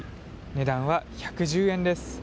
値段は１１０円です。